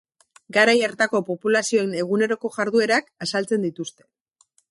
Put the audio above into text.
Garai hartako populazioen eguneroko jarduerak azaltzen dituzte.